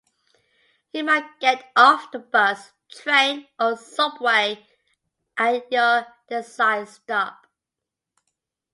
You might "get off" the bus, train, or subway at your desired stop.